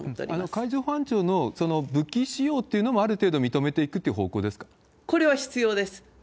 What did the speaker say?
海上保安庁の武器使用っていうのもある程度認めていくっていこれは必要です。